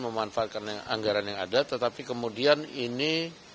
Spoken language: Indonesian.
memanfaatkan anggaran yang ada tetapi kemudian ini